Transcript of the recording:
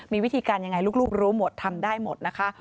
มีวิธีการยังไงลูกรู้หมดทำได้หมดนะคะ